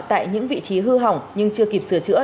tại những vị trí hư hỏng nhưng chưa kịp sửa chữa